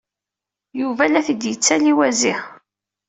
Yuba la t-id-yettali wazi.